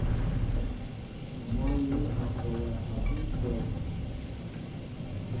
Măn yu a kolɛɛ abú kwɛl.